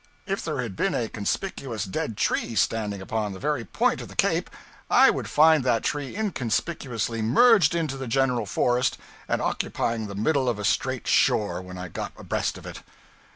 If there had been a conspicuous dead tree standing upon the very point of the cape, I would find that tree inconspicuously merged into the general forest, and occupying the middle of a straight shore, when I got abreast of it!